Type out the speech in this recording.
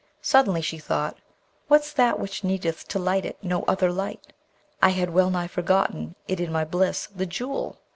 Suddenly she thought, 'What's that which needeth to light it no other light? I had well nigh forgotten it in my bliss, the Jewel!'